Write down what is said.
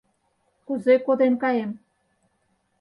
Кузе коден каем?